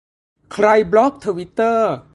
"ใครบล็อกทวิตเตอร์ ?"